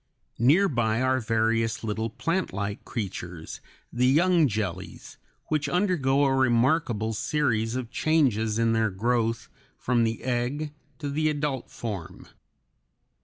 Near by are various little plantlike creatures, the young jellies, which undergo a remarkable series of changes in their growth from the egg to the adult form.